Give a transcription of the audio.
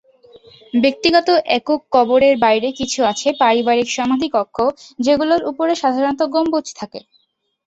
ব্যক্তিগত একক কবরের বাইরে কিছু আছে পারিবারিক সমাধি কক্ষ, যেগুলোর উপরে সাধারণত গম্বুজ থাকে।